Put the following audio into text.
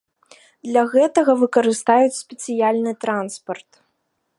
Для гэтага выкарыстаюць спецыяльны транспарт.